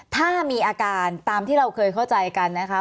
ถ้ามีอาการตามที่เราเคยเข้าใจกันนะคะ